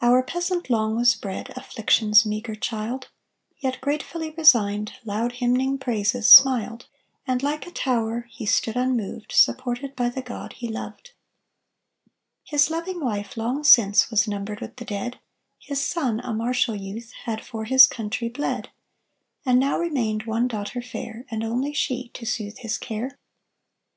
Our peasant long was bred Affliction's meagre child, Yet gratefully resigned, Loud hymning praises, smiled, And like a tower He stood unmoved, Supported by The God he loved. His loving wife long since Was numbered with the dead His son, a martial youth, Had for his country bled; And now remained One daughter fair, And only she, To soothe his care.